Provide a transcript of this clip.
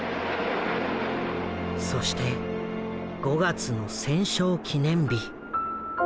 そして５月の戦勝記念日。